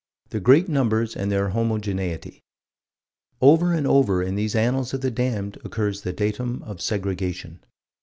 Their great numbers and their homogeneity. Over and over in these annals of the damned occurs the datum of segregation.